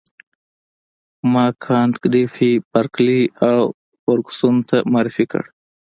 ما کانت ګریفي بارکلي او فرګوسن ته معرفي کړ.